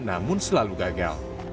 namun selalu gagal